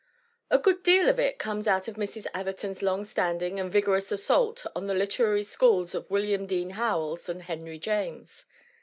A good deal of it comes out of Mrs. Atherton's long standing and vigorous assault on the literary schools of William Dean Howells and Henry James.